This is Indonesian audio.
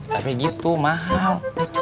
tapi gitu mahal